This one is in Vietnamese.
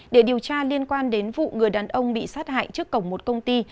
để điều tra liên quan đến vụ người đàn ông bị sát hại trước cổng một công ty